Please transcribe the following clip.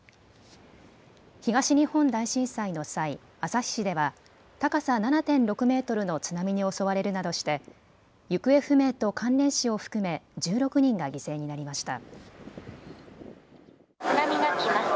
東日本大震災の際、旭市では高さ７．６メートルの津波に襲われるなどして行方不明と関連死を含め１６人が犠牲になりました。